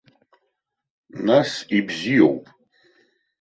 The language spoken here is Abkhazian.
Нас ибзиоуп.